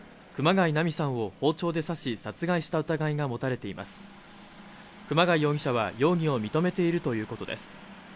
熊谷菜美さんを包丁で刺し殺害した疑いが持たれています熊谷容疑者は容疑を認めているということです